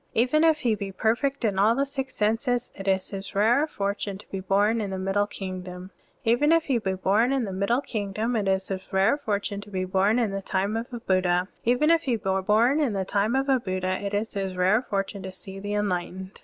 Even if he be per fect in all the six senses, it is his rare forttme to be bom in the middle kingdom. Even if he be bom in the middle kingdom, it is his rare fortune to be bom in the time of a Buddha. Even if he be bom in the time of a Buddha, it is his rare forttme to see the enlightened.